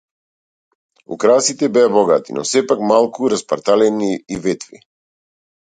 Украсите беа богати, но сепак малку распарталени и ветви.